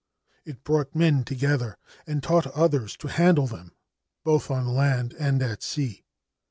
It brought men together, and taughl others to handle them both on land and at sea.